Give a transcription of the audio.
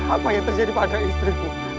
apa yang terjadi pada istriku